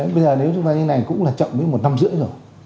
bây giờ nếu chúng ta như thế này cũng là chậm đến một năm rưỡi rồi